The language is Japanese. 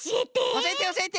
おしえておしえて。